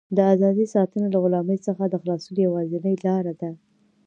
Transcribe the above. د ازادۍ ساتنه له غلامۍ څخه د خلاصون یوازینۍ لاره ده.